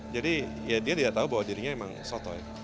jadi ya dia tidak tahu bahwa dirinya sotoh ya